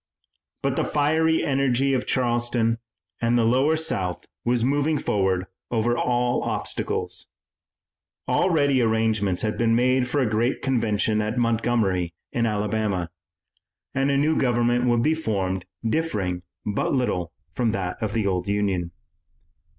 But the fiery energy of Charleston and the lower South was moving forward over all obstacles. Already arrangements had been made for a great convention at Montgomery in Alabama, and a new government would be formed differing but little from that of the old Union.